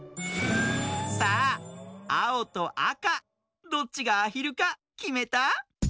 さああおとあかどっちがアヒルかきめた？